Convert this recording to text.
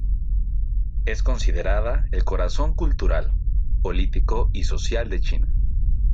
Es considerada el corazón cultural, político y social de China.